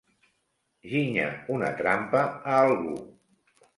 Ginyar una trampa a algú.